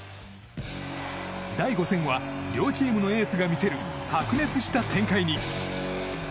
第５戦は両チームのエースが見せる白熱した展開に。